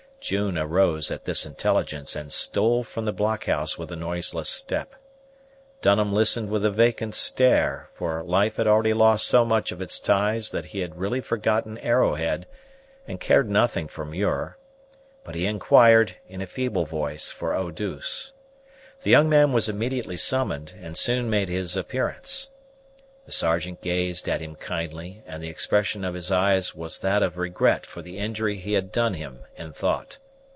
June arose at this intelligence, and stole from the blockhouse with a noiseless step. Dunham listened with a vacant stare, for life had already lost so many of its ties that he had really forgotten Arrowhead, and cared nothing for Muir; but he inquired, in a feeble voice, for Eau douce. The young man was immediately summoned, and soon made his appearance. The Sergeant gazed at him kindly, and the expression of his eyes was that of regret for the injury he had done him in thought.